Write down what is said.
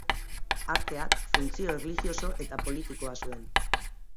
Arteak funtzio erlijioso eta politikoa zuen.